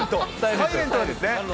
サイレントですね。